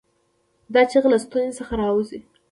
دا چیغه له ستونې څخه راووځي.